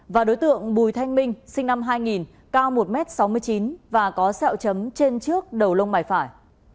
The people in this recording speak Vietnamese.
và đối tượng bùi thanh minh sinh năm hai nghìn cao một m sáu mươi chín và có sẹo chấm trên trước đầu lông mày phải